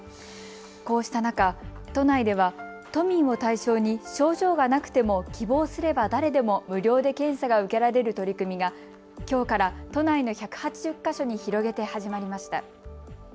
こうした中、都内では都民を対象に症状がなくても希望すれば誰でも無料で検査が受けられる取り組みがきょうから都内で１８０か所に広げて始まりました。